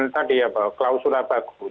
tadi ya pak klausulnya bagus